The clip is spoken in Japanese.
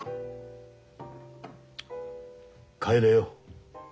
帰れよ。